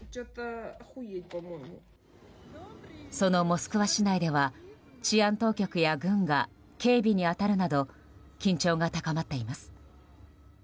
そのモスクワ市内では治安当局や軍が警備に当たるなど緊張が高まっています。